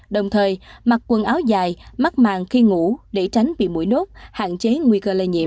đồng thời mặc quần áo dài mắt màng khi ngủ để tránh bị mũi nốt hạn chế nguy cơ lây nhiễm